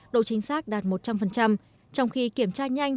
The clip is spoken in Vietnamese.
độ chính xác đạt một trăm linh trong khi kiểm tra nhanh